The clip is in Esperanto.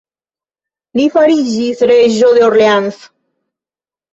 Li fariĝis reĝo de Orleans.